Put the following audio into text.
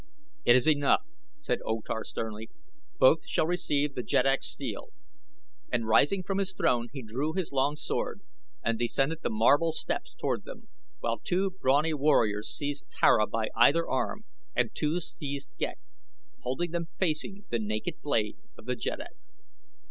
"It is enough!" said O Tar, sternly. "Both shall receive the jeddak's steel," and rising from his throne he drew his long sword and descended the marble steps toward them, while two brawny warriors seized Tara by either arm and two seized Ghek, holding them facing the naked blade of the jeddak.